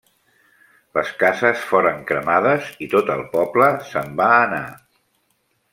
Les cases foren cremades i tot el poble se'n va anar.